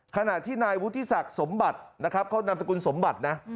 ขณะที่นายวุฒิศักดิ์สมบัตินะครับเขานามสกุลสมบัตินะ